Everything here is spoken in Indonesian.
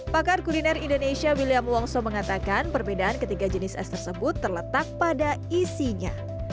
pakar kuliner indonesia william wongso mengatakan perbedaan ketiga jenis es tersebut terletak pada isinya